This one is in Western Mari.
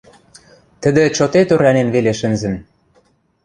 Тӹдӹ чоте тӧрлӓнен веле шӹнзӹн.